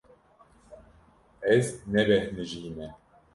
Ez nebêhnijîme.